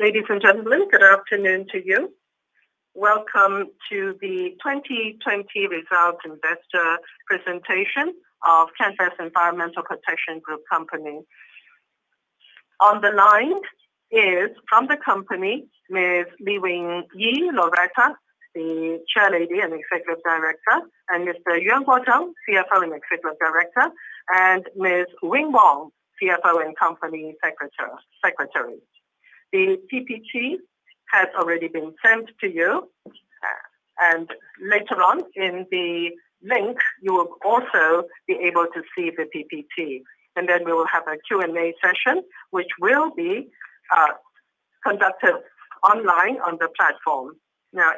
Ladies and gentlemen, good afternoon to you. Welcome to the 2020 results investor presentation of Canvest Environmental Protection Group Company. On the line is from the company, Ms. Lee Wing Yee Loretta, the Chairlady and Executive Director, and Mr. Yuan Guozhen, CEO and Executive Director, and Ms. Ling Wong, CFO and Company Secretary. The PPT has already been sent to you. Later on in the link, you will also be able to see the PPT. We will have a Q&A session, which will be conducted online on the platform.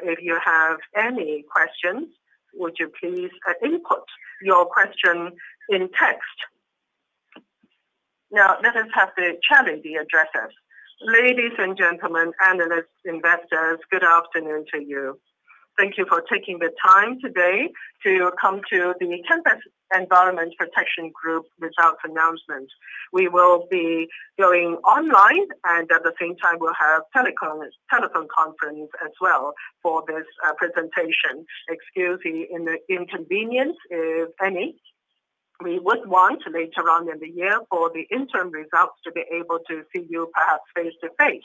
If you have any questions, would you please input your question in text. Let us have the Chairlady address us. Ladies and gentlemen, analysts, investors, good afternoon to you. Thank you for taking the time today to come to the Canvest Environmental Protection Group results announcement. We will be going online and at the same time we'll have telephone conference as well for this presentation. Excuse the inconvenience, if any. We would want later on in the year for the interim results to be able to see you perhaps face to face.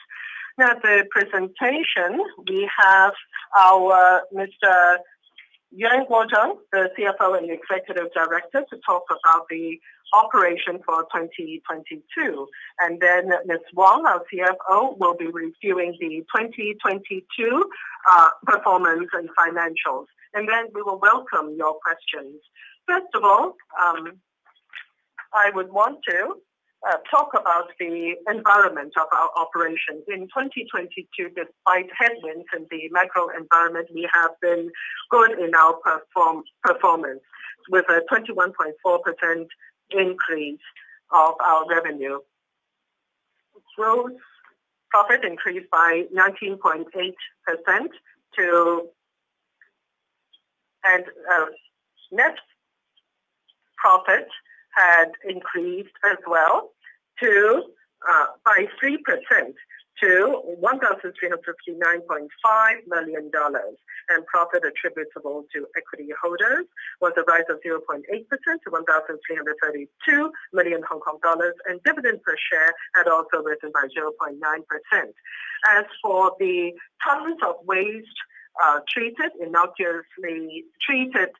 The presentation, we have our Mr. Yuan Guozhen, the CEO and Executive Director, to talk about the operation for 2022. Ms. Wong, our CFO, will be reviewing the 2022 performance and financials. We will welcome your questions. First of all, I would want to talk about the environment of our operations. In 2022, despite headwinds in the microenvironment, we have been good in our performance, with a 21.4% increase of our revenue. Gross profit increased by 19.8% to- Net profit had increased as well to by 3% to 1,359.5 million dollars. Profit attributable to equity holders was a rise of 0.8% to 1,332 million Hong Kong dollars. Dividend per share had also risen by 0.9%. As for the tons of waste treated, innocuously treated,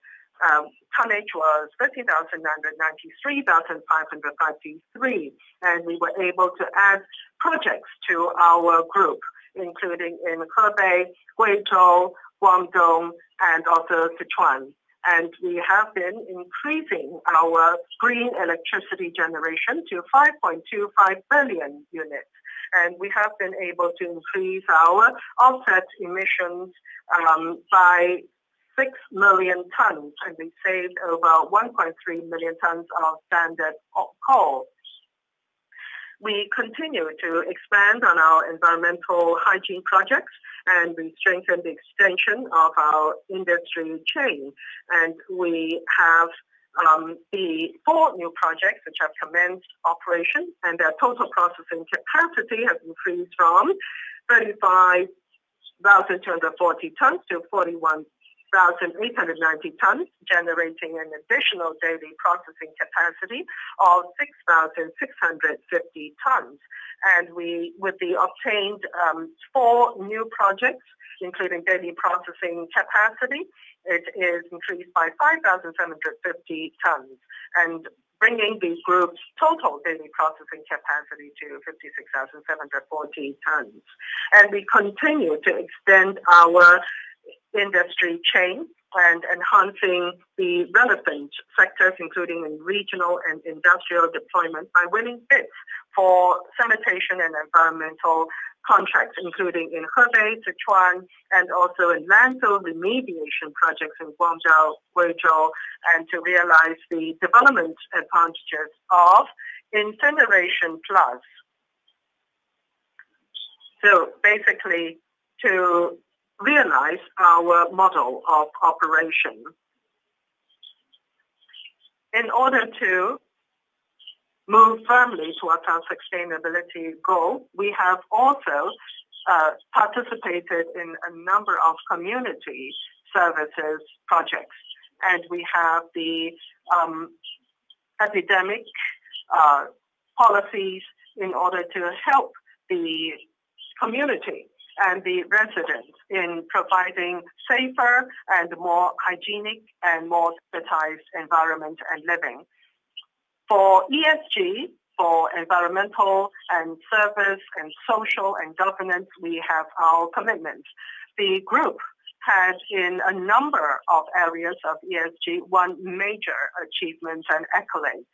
tonnage was [50,993, 3,553], and we were able to add projects to our group, including in Hebei, Guizhou, Guangdong, and also Sichuan. We have been increasing our green electricity generation to 5.25 billion units. We have been able to increase our offset emissions by 6 million tons, and we saved over 1.3 million tons of standard coal. We continue to expand on our environmental hygiene projects, and we strengthen the extension of our industry chain. We have the four new projects which have commenced operation, and their total processing capacity has increased from 35,240 tons to 41,890 tons, generating an additional daily processing capacity of 6,650 tons. We with the obtained four new projects, including daily processing capacity, it is increased by 5,750 tons, and bringing the group's total daily processing capacity to 56,740 tons. We continue to extend our industry chain and enhancing the relevant sectors, including in regional and industrial deployment by winning bids for sanitation and environmental contracts, including in Hebei, Sichuan and also in landfill remediation projects in Guangzhou, Guizhou, and to realize the development advantages of incineration plus. Basically, to realize our model of operation. In order to move firmly towards our sustainability goal, we have also participated in a number of community services projects, and we have the epidemic policies in order to help the community and the residents in providing safer and more hygienic and more sanitized environment and living. For ESG, for environmental and service and social and governance, we have our commitments. The group has in a number of areas of ESG, won major achievements and accolades.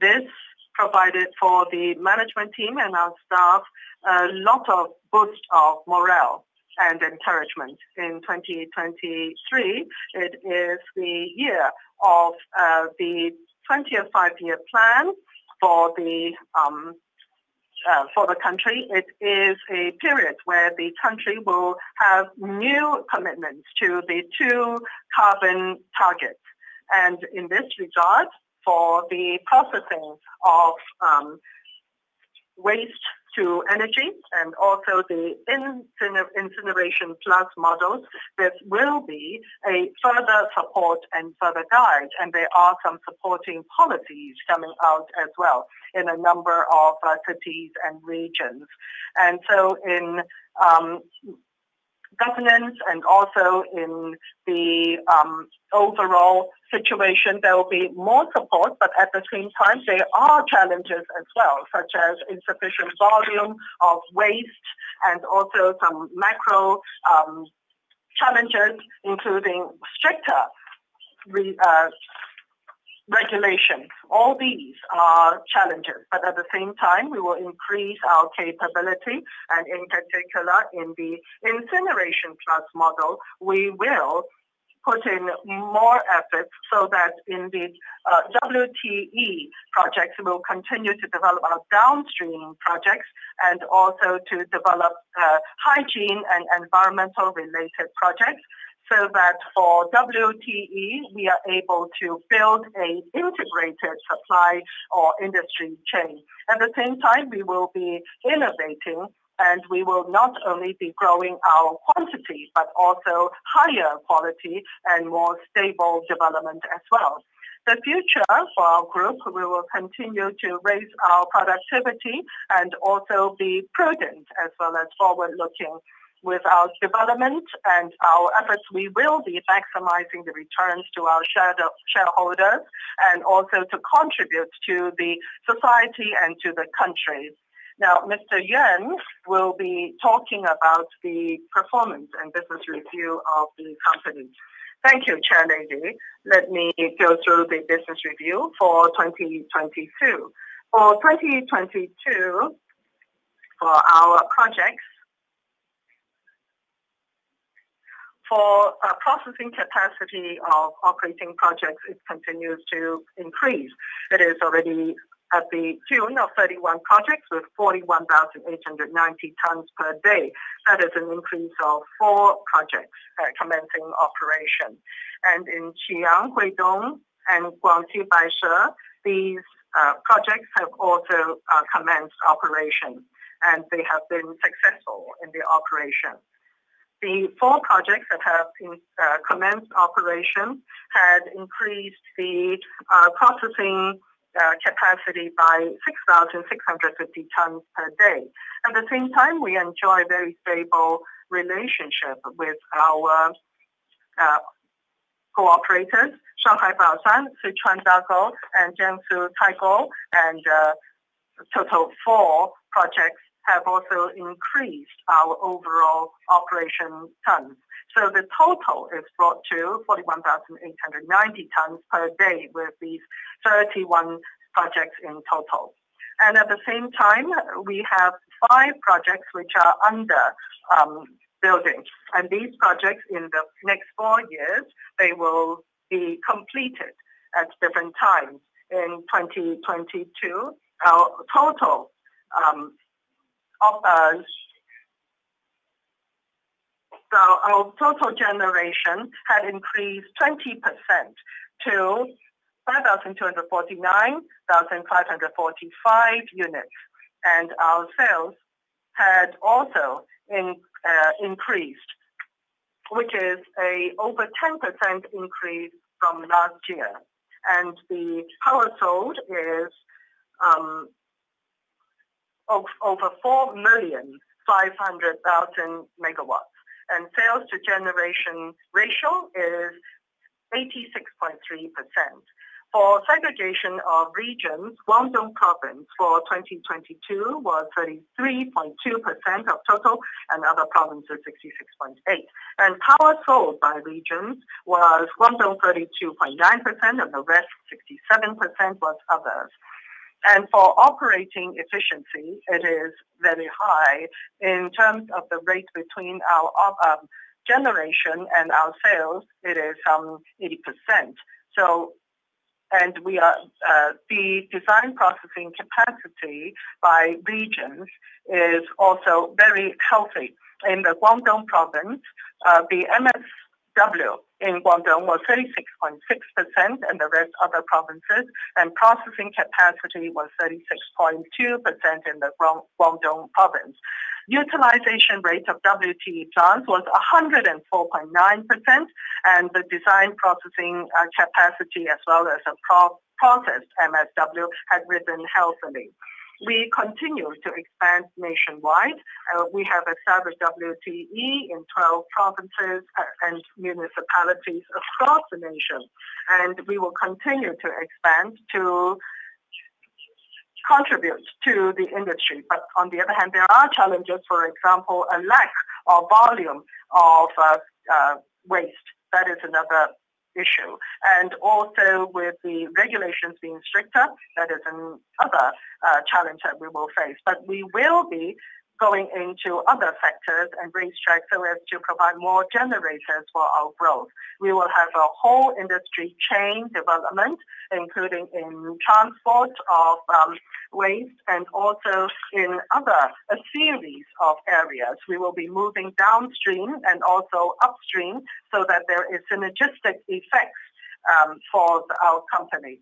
This provided for the management team and our staff a lot of boost of morale and encouragement. In 2023, it is the year of the 20 and five-year plan for the country. It is a period where the country will have new commitments to the dual carbon targets. In this regard, for the processing of waste-to-energy and also the incineration plus models, this will be a further support and further guide. There are some supporting policies coming out as well in a number of cities and regions. In governance and also in the overall situation, there will be more support, but at the same time, there are challenges as well, such as insufficient volume of waste and also some macro challenges, including stricter regulation. All these are challenges. At the same time, we will increase our capability and in particular in the incineration plus model, we will put in more efforts so that in the WTE projects, we'll continue to develop our downstream projects and also to develop hygiene and environmental related projects so that for WTE, we are able to build a integrated supply or industry chain. At the same time, we will be innovating, and we will not only be growing our quantity, but also higher quality and more stable development as well. The future for our group, we will continue to raise our productivity and also be prudent as well as forward-looking. With our development and our efforts, we will be maximizing the returns to our shareholders and also to contribute to the society and to the country. Now, Mr. Yuan will be talking about the performance and business review of the company. Thank you, Chairlady. Let me go through the business review for 2022. For 2022, our processing capacity of operating projects continues to increase. It is already at the tune of 31 projects with 41,890 tons per day. That is an increase of four projects commencing operation. In Zhanjiang, Huidong and Guangxi Baise, these projects have also commenced operation, and they have been successful in their operation. The four projects that have been commenced operation had increased the processing capacity by 6,650 tons per day. At the same time, we enjoy very stable relationship with our co-operators, Shanghai Baoshan, Sichuan Dazhou, and Jiangsu Taixing. Total four projects have also increased our overall operation tons. The total is brought to 41,890 tons per day, with these 31 projects in total. At the same time, we have five projects which are under building. These projects in the next four years, they will be completed at different times. In 2022, our total generation had increased 20% to 5,249,545 units. Our sales had also increased, which is a over 10% increase from last year. The power sold is over 4,500,000 MW. Sales to generation ratio is 86.3%. For segregation of regions, Guangdong Province for 2022 was 33.2% of total. Other provinces, 66.8%. Power sold by regions was Guangdong 32.9%. The rest, 67%, was others. For operating efficiency, it is very high. In terms of the rate between our generation and our sales, it is 80%. The design processing capacity by regions is also very healthy. In the Guangdong Province, the MSW in Guangdong was 36.6%. The rest other provinces. Processing capacity was 36.2% in the Guangdong Province. Utilization rate of WTE plants was 104.9%. The design processing capacity as well as the processed MSW had risen healthily. We continue to expand nationwide. We have established WTE in 12 provinces and municipalities across the nation. We will continue to expand to contribute to the industry. On the other hand, there are challenges, for example, a lack of volume of waste. That is another issue. With the regulations being stricter, that is another challenge that we will face. We will be going into other sectors and reach out so as to provide more generators for our growth. We will have a whole industry chain development, including in transport of waste and also in other series of areas. We will be moving downstream and also upstream so that there is synergistic effect for our company.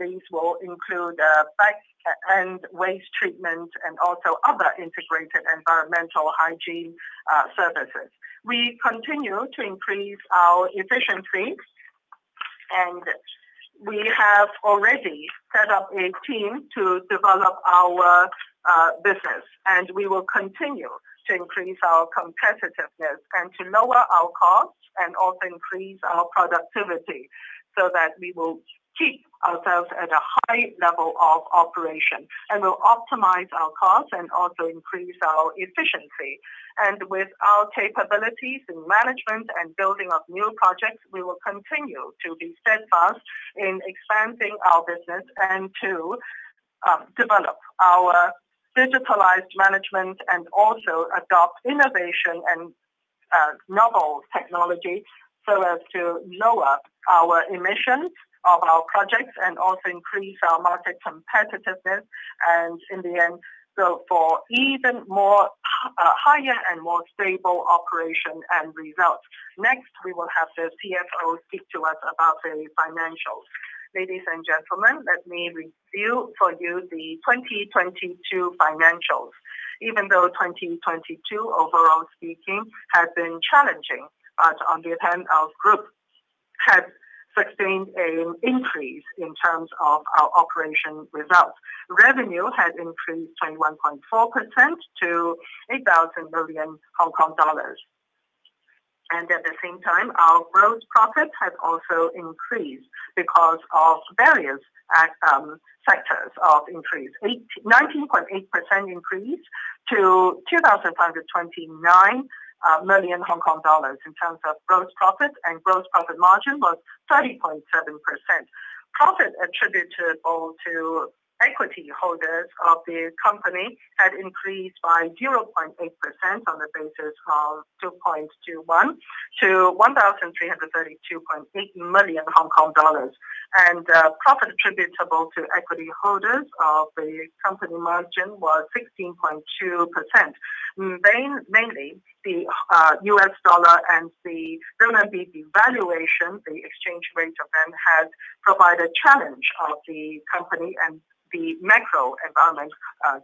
These will include [fat] and waste treatment and also other integrated environmental hygiene services. We continue to increase our efficiency, and we have already set up a team to develop our business. We will continue to increase our competitiveness and to lower our costs and also increase our productivity so that we will keep ourselves at a high level of operation. We will optimize our costs and also increase our efficiency. With our capabilities in management and building up new projects, we will continue to be steadfast in expanding our business and to develop our digitalized management and also adopt innovation and novel technology so as to lower our emissions of our projects and also increase our market competitiveness. In the end, go for even more higher and more stable operation and results. Next, we will have the CFO speak to us about the financials. Ladies and gentlemen, let me review for you the 2022 financials. Even though 2022, overall speaking, has been challenging, but on the other hand, our group has sustained a increase in terms of our operation results. Revenue has increased 21.4% to 8,000 million Hong Kong dollars. At the same time, our gross profit has also increased because of various sectors of increase. 19.8% increase to 2,529 million Hong Kong dollars in terms of gross profit, and gross profit margin was 30.7%. Profit attributable to equity holders of the company had increased by 0.8% on the basis of 2.21 to 1,332.8 million Hong Kong dollars. Profit attributable to equity holders of the company margin was 16.2%. Mainly the U.S. dollar and the RMB devaluation, the exchange rate of them has provided challenge of the company and the macro environment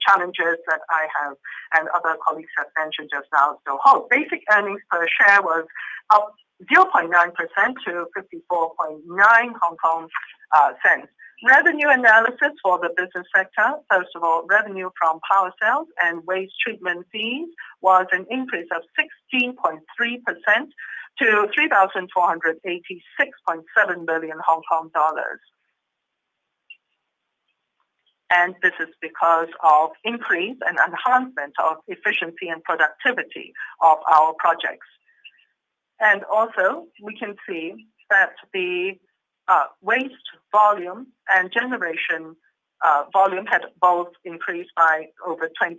challenges that I have and other colleagues have mentioned just now. Whole basic earnings per share was up 0.9% to 0.549. Revenue analysis for the business sector. First of all, revenue from power sales and waste treatment fees was an increase of 16.3% to HKD 3,486.7 million. This is because of increase and enhancement of efficiency and productivity of our projects. Also, we can see that the waste volume and generation volume had both increased by over 20%.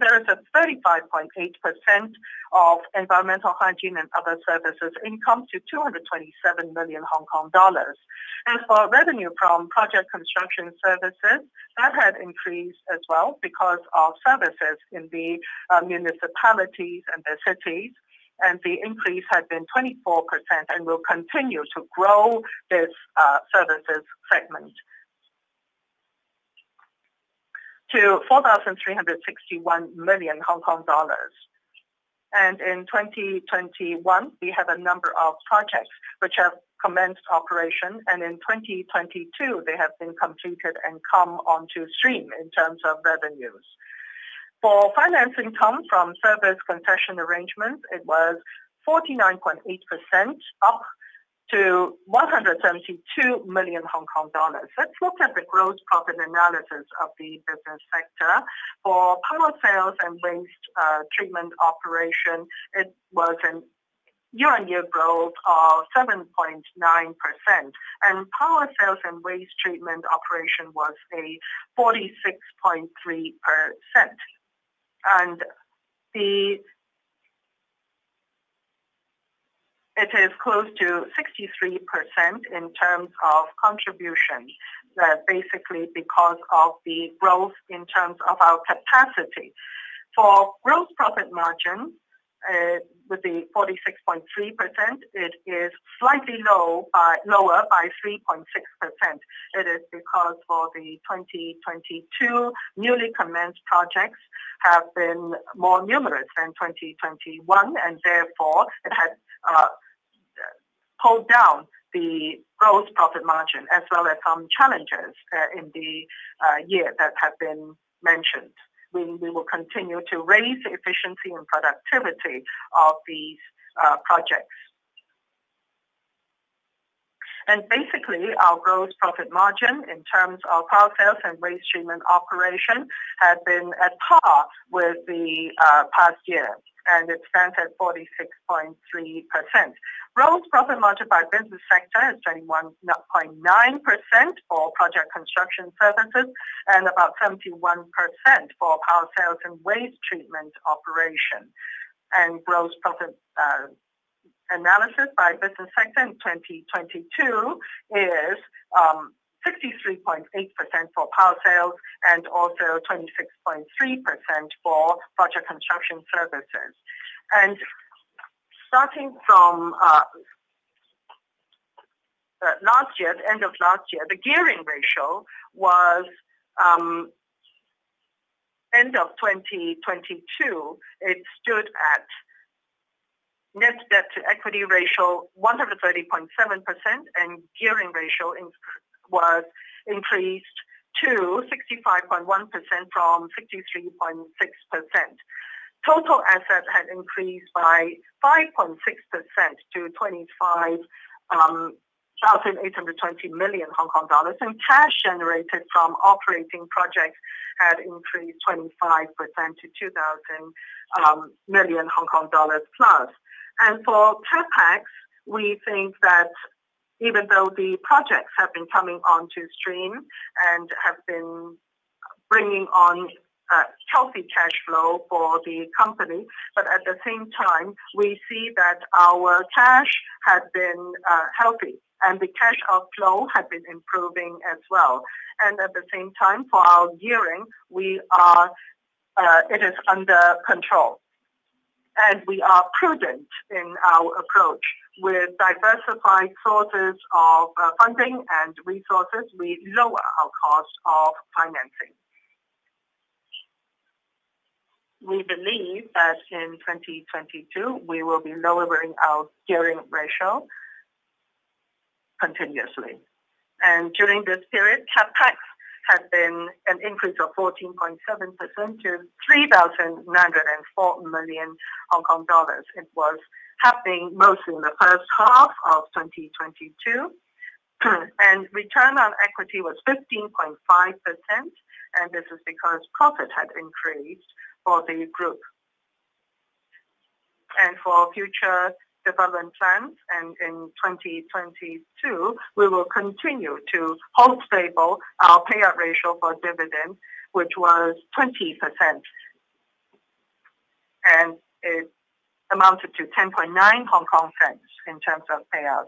There is a 35.8% of environmental hygiene and other services income to 227 million Hong Kong dollars. For revenue from project construction services, that had increased as well because of services in the municipalities and the cities, the increase had been 24% and will continue to grow this services segment to HKD 4,361 million. In 2021, we have a number of projects which have commenced operation, and in 2022, they have been completed and come onto stream in terms of revenues. For finance income from service concession arrangements, it was 49.8% up to 172 million Hong Kong dollars. Let's look at the gross profit analysis of the business sector. For power sales and waste treatment operation, it was an year-on-year growth of 7.9%. Power sales and waste treatment operation was a 46.3%. It is close to 63% in terms of contributions. That basically because of the growth in terms of our capacity. For gross profit margin, with the 46.3%, it is slightly lower by 3.6%. It is because for the 2022, newly commenced projects have been more numerous than 2021, and therefore it has pulled down the gross profit margin as well as some challenges in the year that have been mentioned. We will continue to raise efficiency and productivity of these projects. Our gross profit margin in terms of power sales and waste treatment operation has been at par with the past year, and it stands at 46.3%. Gross profit margin by business sector is 21.9% for project construction services and about 71% for power sales and waste treatment operation. Gross profit analysis by business sector in 2022 is 63.8% for power sales and also 26.3% for project construction services. last year, the end of last year, the gearing ratio was, end of 2022, it stood at net debt to equity ratio, 130.7%, and gearing ratio was increased to 65.1% from 63.6%. Total assets had increased by 5.6% to 25,820 million Hong Kong dollars. Cash generated from operating projects had increased 25% to 2,000 million Hong Kong dollars plus. For CapEx, we think that even though the projects have been coming onto stream and have been bringing on healthy cash flow for the company, but at the same time, we see that our cash has been healthy, and the cash outflow has been improving as well. At the same time, for our gearing, we are, it is under control. We are prudent in our approach. With diversified sources of funding and resources, we lower our cost of financing. We believe that in 2022, we will be lowering our gearing ratio continuously. During this period, CapEx had been an increase of 14.7% to 3,904 million Hong Kong dollars. It was happening mostly in the first half of 2022. Return on equity was 15.5%, and this is because profit had increased for the group. For future development plans and in 2022, we will continue to hold stable our payout ratio for dividend, which was 20%. It amounted to 0.109 in terms of payout.